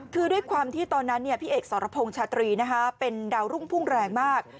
คือด้วยความที่ตอนนั้นพี่เอกสรพงษ์ชาตรีเป็นดาวรุ่งพุ่งแรงมาก